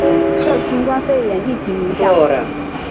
受新冠肺炎疫情影响